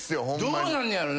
どうなんねやろな？